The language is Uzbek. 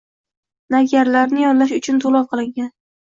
Navkarlarni yollash uchun toʻlov qilingan.